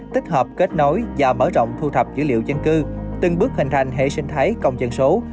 tích hợp kết nối và mở rộng thu thập dữ liệu dân cư từng bước hình thành hệ sinh thái công dân số